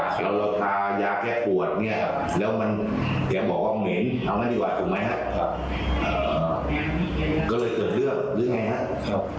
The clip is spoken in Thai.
ก็เลยกระดูกเรื่องแดงครับ